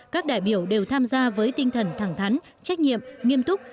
các đại biểu đều tham gia với tinh thần thẳng thắn trách nhiệm nghiêm túc